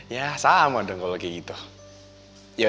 ya sama dong kalau begitu